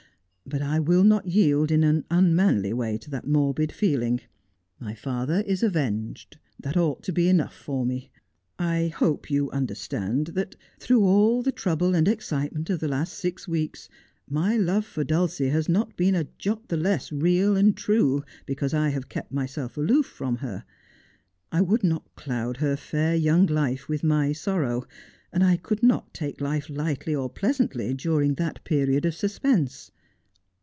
But I will not yield in an unmanly way to that morbid feeling. My father is avenged. That ought to be enough for me. I hope you under stand that through all the trouble and excitement of the last six weeks my love for Dulcie has not been a jot the less real and true because I have kept myself aloof from her. I would not cloud her fair young life with my sorrow, and I could not take life lightly or pleasantly during that period of suspense.